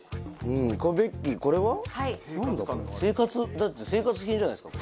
だって生活品じゃないですか？